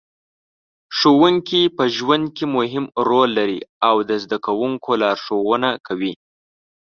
ښوونکې په ژوند کې مهم رول لري او د زده کوونکو لارښوونه کوي.